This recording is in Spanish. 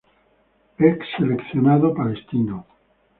Es seleccionado Palestino.